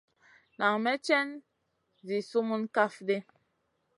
Nan may cèn zi sumun kaf ɗi.